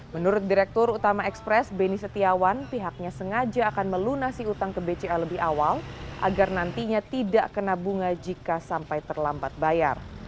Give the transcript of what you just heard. menurut direktur utama ekspres benny setiawan pihaknya sengaja akan melunasi utang ke bca lebih awal agar nantinya tidak kena bunga jika sampai terlambat bayar